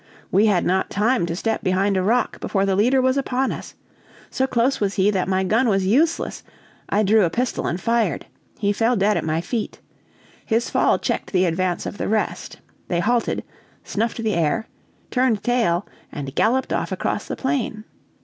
We had not time to step behind a rock before the leader was upon us. So close was he that my gun was useless. I drew a pistol and fired. He fell dead at my feet. His fall checked the advance of the rest. They halted, snuffed the air, turned tail, and galloped off across the plain.